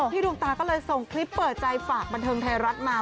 ดวงตาก็เลยส่งคลิปเปิดใจฝากบันเทิงไทยรัฐมา